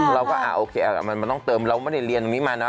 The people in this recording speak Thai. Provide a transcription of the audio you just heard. เราก็โอเคมันต้องเติมเราไม่ได้เรียนตรงนี้มาเนอ